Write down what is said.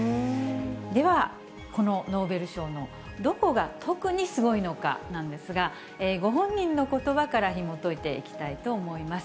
では、このノーベル賞のどこが特にすごいのかなんですが、ご本人のことばからひもといていきたいと思います。